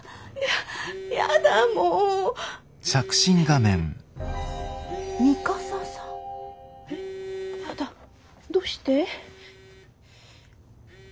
やだどうして？